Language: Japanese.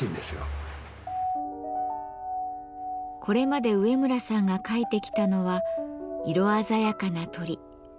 これまで上村さんが描いてきたのは色鮮やかな鳥。